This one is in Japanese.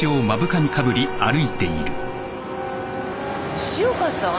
吉岡さん？